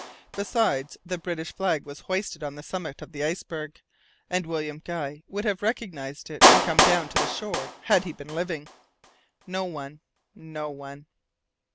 Besides, the British flag was hoisted on the summit of the iceberg, and William Guy would have recognized it and come down to the shore had he been living. No one. No one.